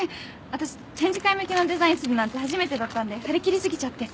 私展示会向けのデザインするなんて初めてだったんで張り切り過ぎちゃって。